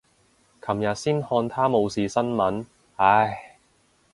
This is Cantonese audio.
琴日先看他冇事新聞，唉。